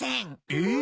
えっ？